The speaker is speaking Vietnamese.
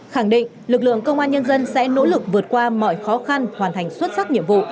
khẳng định lực lượng công an nhân dân sẽ nỗ lực vượt qua mọi khó khăn hoàn thành xuất sắc nhiệm vụ